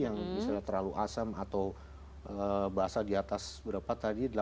misalnya terlalu asam atau basah di atas berapa tadi delapan lima ya